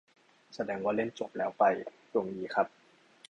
แสดงว่าเล่นจบแล้วไป ดวงดีครับ